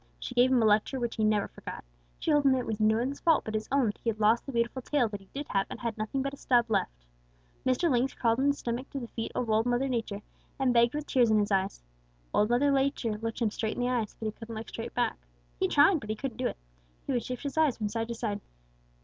She gave him a lecture which he never forgot. She told him that it was no one's fault but his own that he had lost the beautiful tail that he did have and had nothing but a stub left. Mr. Lynx crawled on his stomach to the feet of Old Mother Nature and begged with tears in his eyes. Old Mother Nature looked him straight in the eyes, but he couldn't look straight back. He tried, but he couldn't do it. He would shift his eyes from side to side.